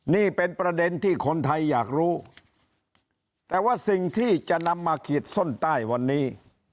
นี่เป็นประเด็นที่คนไทยอยากรู้แต่ว่าสิ่งที่จะนำมาขีดเส้นใต้วันนี้